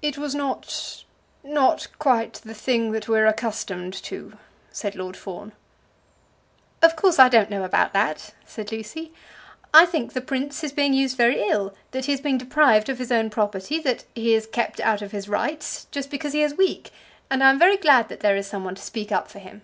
"It was not not quite the thing that we are accustomed to," said Lord Fawn. "Of course I don't know about that," said Lucy. "I think the prince is being used very ill, that he is being deprived of his own property, that he is kept out of his rights, just because he is weak, and I am very glad that there is some one to speak up for him."